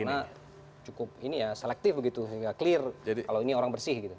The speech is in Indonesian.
karena cukup ini ya selektif begitu clear kalau ini orang bersih gitu